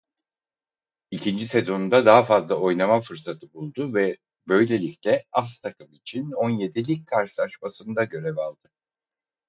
İkinci sezonunda daha fazla oynama fırsatı buldu ve böylelikle as takım için on yedi lig karşılaşmasında görev aldı.